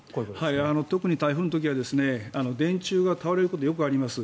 特に台風の時は電柱が倒れることがよくあります。